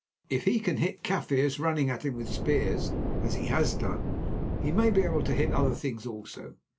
If he can hit Kaffirs running at him with spears, as he has done, he may be able to hit other things also.